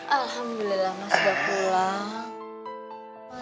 alhamdulillah mas udah pulang